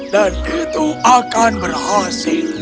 dan itu akan berhasil